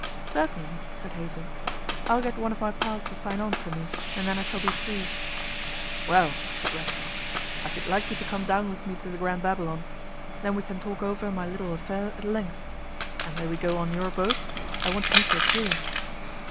'Certainly,' said Hazell; 'I'll get one of my pals to sign on for me, and then I shall be free.' 'Well,' said Racksole, 'I should like you to come down with me to the Grand Babylon. Then we can talk over my little affair at length. And may we go on your boat? I want to meet your crew.